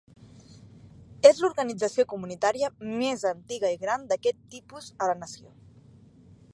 És l'organització comunitària més antiga i gran d'aquest tipus a la nació.